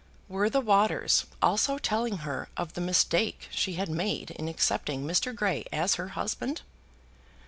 Were the waters also telling her of the mistake she had made in accepting Mr. Grey as her husband?